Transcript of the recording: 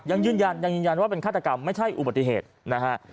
ยังยืนยันยังยืนยันว่าเป็นฆาตกรรมไม่ใช่อุบัติเหตุนะฮะ